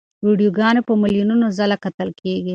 ویډیوګانې په میلیونو ځله کتل کېږي.